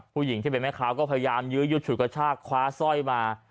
ผู้หญิงที่เป็นแม่ค้าก็พยายามยื้อยุดฉุดกระชากคว้าสร้อยมา